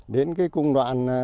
đến cái cung đoạn